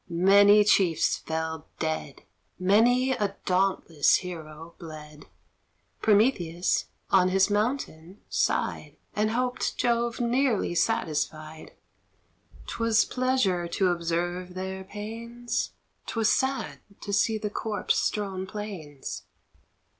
Many chiefs fell dead, Many a dauntless hero bled; Prometheus on his mountain sighed, And hoped Jove nearly satisfied. 'Twas pleasure to observe their pains 'Twas sad to see the corpse strewn plains.